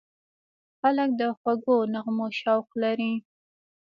خلک د خوږو نغمو شوق لري.